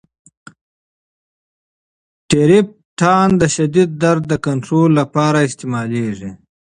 ټریپټان د شدید درد د کنترول لپاره استعمالیږي.